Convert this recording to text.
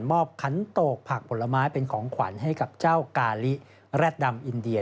มอบคันโตกผักผลไม้เป็นขวัญให้เจ้ากาลิรัฐดำอินเดีย